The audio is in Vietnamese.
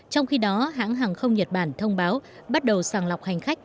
trong khi đó hãng hàng không nhật bản thông báo bắt đầu sàng lọc hành khách